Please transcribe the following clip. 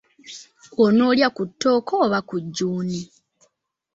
Onoolya ku ttooke oba ku jjuuni?